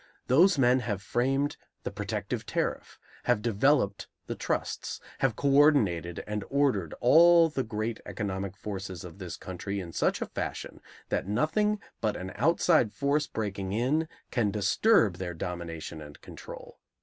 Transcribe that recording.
Those men have framed the protective tariff, have developed the trusts, have co ordinated and ordered all the great economic forces of this country in such fashion that nothing but an outside force breaking in can disturb their domination and control.